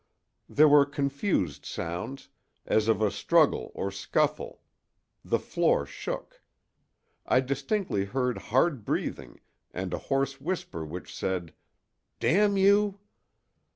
There were confused sounds, as of a struggle or scuffle; the floor shook. I distinctly heard hard breathing and a hoarse whisper which said "Damn you!"